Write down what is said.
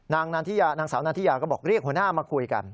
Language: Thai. นางสาวนันทิยาก็บอกเรียกหัวหน้ามาคุยกัน